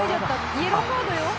イエローカードよ」